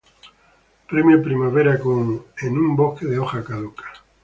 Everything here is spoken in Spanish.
Premio Primavera con "En un bosque de hoja caduca".